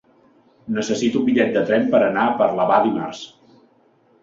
Necessito un bitllet de tren per anar a Parlavà dimarts.